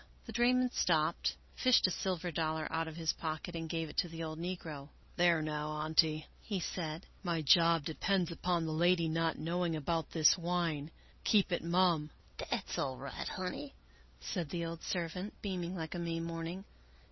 The drayman stopped, fished a silver dollar out of his pocket, and gave it to the old negro. " There now. Auntie," he said, " my job depends upon the lady not knowing about this wine; keep it mum." " Dat's all right, honey," said the old servant, beaming like a May morning.